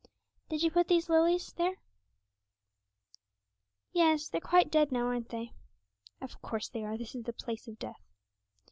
'Did you put these lilies here?' 'Yes; they're quite dead now, aren't they?' 'Of course they are; this is the place of death.'